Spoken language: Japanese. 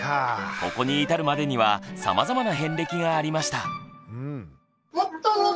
ここに至るまでにはさまざまな遍歴がありました。